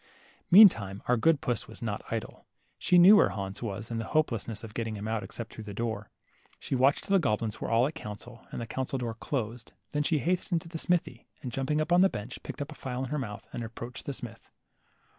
Meantime our good puss was not idle. She knew where Hans was, and. the hopelessness of getting him out except through the door. She watched till the goblins were all at council, and the council doc<r closed. Then she hastened to the smithy, and, jump ing up on the bench, picked up a file in her mouth, and approached the smith.